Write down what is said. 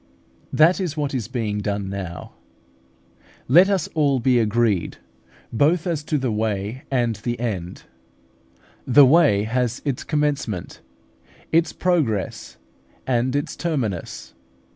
That is what is being done now. Let us all be agreed both as to the way and the end. The way has its commencement, its progress, and its terminus.